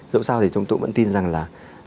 dẫu sao thì chúng tôi vẫn tin rằng là